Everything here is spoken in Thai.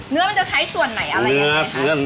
เนื้อมันจะใช้ส่วนไหนอะไรยังไงคะ